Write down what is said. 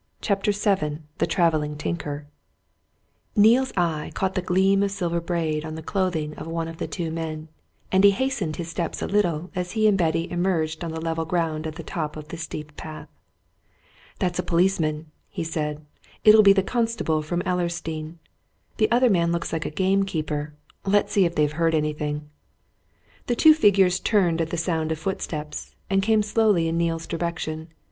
CHAPTER VII THE TRAVELLING TINKER Neale's eye caught the gleam of silver braid on the clothing of one of the two men, and he hastened his steps a little as he and Betty emerged on the level ground at the top of the steep path. "That's a policeman," he said. "It'll be the constable from Ellersdeane. The other man looks like a gamekeeper. Let's see if they've heard anything." The two figures turned at the sound of footsteps, and came slowly in Neale's direction.